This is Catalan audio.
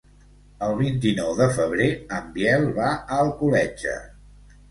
El vint-i-nou de febrer en Biel va a Alcoletge.